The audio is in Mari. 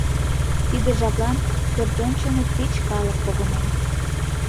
Тиде жаплан пӧртӧнчылет тич калык погынен.